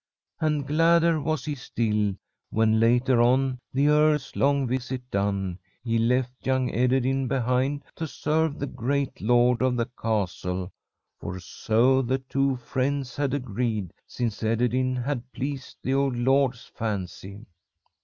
And gladder was he still, when, later on, the earl's long visit done, he left young Ederyn behind to serve the great lord of the castle, for so the two friends had agreed, since Ederyn had pleased the old lord's fancy.